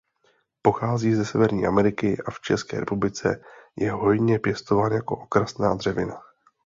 Pochází ze Severní Ameriky a v České republice je hojně pěstován jako okrasná dřevina.